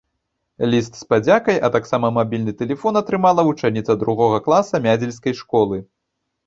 Ліст з падзякай, а таксама мабільны тэлефон атрымала вучаніца другога класа мядзельскай школы.